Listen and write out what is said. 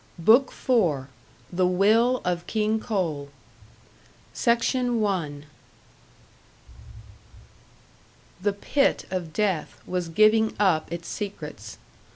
BOOK FOUR THE WILL OF KING COAL SECTION 1. The pit of death was giving up its secrets.